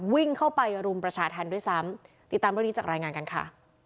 วิ่งเข้าไปรุมประชาธรรมด้วยซ้ำติดตามเรื่องนี้จากรายงานกันค่ะ